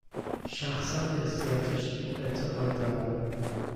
شخصا، به استراتژی او اعتقاد دارم.